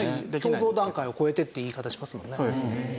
鏡像段階を越えてって言い方しますもんね。